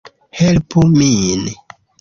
Helpu min